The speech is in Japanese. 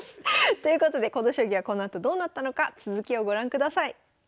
ということでこの将棋はこのあとどうなったのか続きをご覧ください。